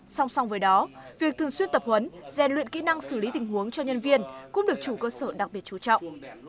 song song với đó việc thường xuyên tập huấn rèn luyện kỹ năng xử lý tình huống cho nhân viên cũng được chủ cơ sở đặc biệt chú trọng